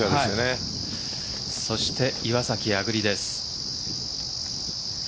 そして岩崎亜久竜です。